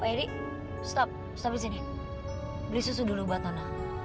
wedi stop stop disini beli susu dulu baton